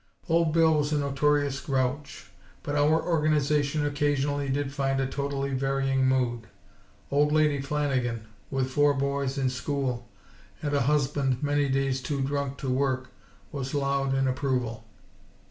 Old Bill was a notorious grouch; but our Organization occasionally did find a totally varying mood. Old Lady Flanagan, with four boys in school, and a husband many days too drunk to work, was loud in approval.